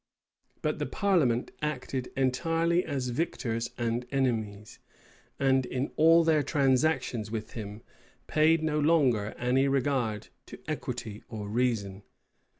[] But the parliament acted entirely as victors and enemies; and, in all their transactions with him, paid no longer any regard to equity or reason.